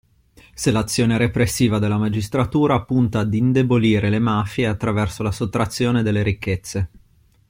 Se l'azione repressiva della magistratura punta ad indebolire le mafie attraverso la sottrazione delle ricchezze.